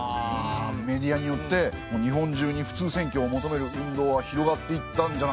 メディアによって日本中に普通選挙を求める運動が広がっていったんじゃないですか？